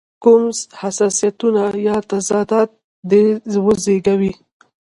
کوم حساسیتونه یا تضادات دې وزېږوي.